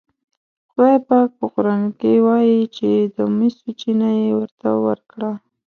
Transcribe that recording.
خدای پاک په قرآن کې وایي چې د مسو چینه یې ورته ورکړه.